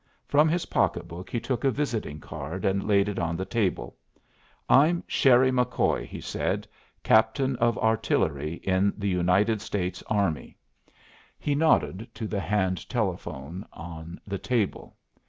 From his pocketbook he took a visiting card and laid it on the table. "I'm 'Sherry' McCoy," he said, "Captain of Artillery in the United States Army." He nodded to the hand telephone on the table.